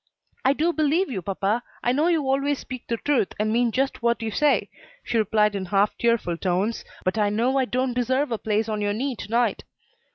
"I do believe you, papa; I know you always speak the truth and mean just what you say," she replied in half tearful tones, "but I know I don't deserve a place on your knee to night."